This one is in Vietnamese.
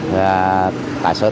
và tài sở tạo